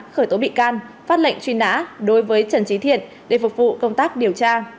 khởi tố bị can phát lệnh truy nã đối với trần trí thiện để phục vụ công tác điều tra